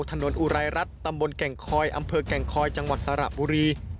อุรายรัฐตำบลแก่งคอยอำเภอแก่งคอยจังหวัดสระบุรี